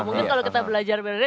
mungkin kalau kita belajar dari